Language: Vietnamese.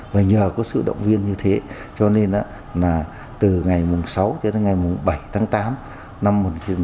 và nhờ có sự động viên như thế cho nên là từ ngày mùng sáu đến ngày mùng bảy tháng tám năm một nghìn chín trăm bảy mươi bốn